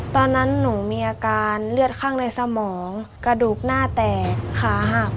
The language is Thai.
ตอนนั้นหนูมีอาการเลือดข้างในสมองกระดูกหน้าแตกขาหัก